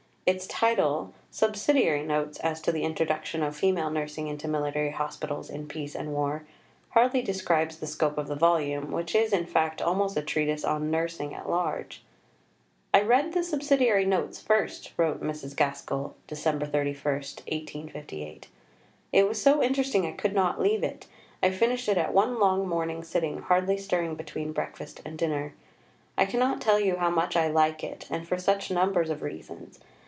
Its title Subsidiary Notes as to the Introduction of Female Nursing into Military Hospitals in Peace and War hardly describes the scope of the volume, which is, in fact almost a treatise on Nursing at large. "I read the Subsidiary Notes first," wrote Mrs. Gaskell (Dec. 31, 1858). "It was so interesting I could not leave it. I finished it at one long morning sitting hardly stirring between breakfast and dinner. I cannot tell you how much I like it, and for such numbers of reasons.